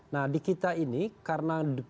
nah di kita ini karena kuatnya dominan